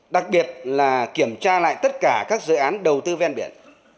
đặc biệt là kiểm tra lại tất cả các dự án đầu tư ven biển